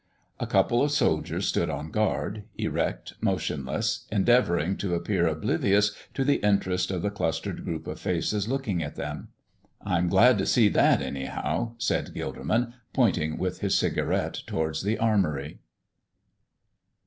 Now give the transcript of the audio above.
A couple of soldiers stood on guard, erect, motionless, endeavoring to appear oblivious to the interest of the clustered group of faces looking at them. "I am glad to see that, anyhow," said Gilderman, pointing with his cigarette towards the armory.